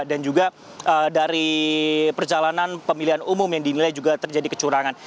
dan juga dari perjalanan pemilihan umum yang dinilai juga terjadi kecurangan